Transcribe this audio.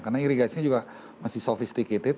karena irigasinya juga masih sophisticated